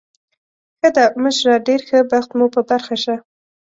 ښه ده، مشره، ډېر ښه بخت مو په برخه شه.